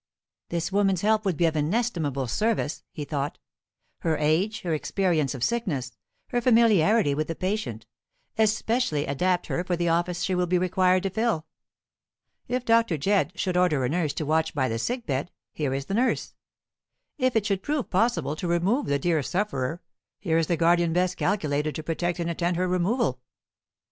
"This woman's help would be of inestimable service," he thought; "her age, her experience of sickness, her familiarity with the patient, especially adapt her for the office she will be required to fill. If Dr. Jedd should order a nurse to watch by the sick bed, here is the nurse. If it should prove possible to remove the dear sufferer, here is the guardian best calculated to protect and attend her removal."